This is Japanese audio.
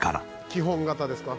「基本型ですか？」